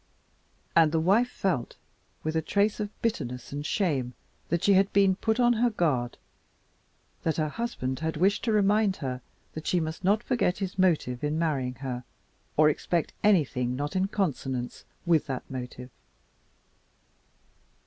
and the wife felt, with a trace of bitterness and shame, that she had been put on her guard; that her husband had wished to remind her that she must not forget his motive in marrying her, or expect anything not in consonance with that motive.